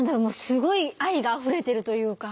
すごい愛があふれてるというか。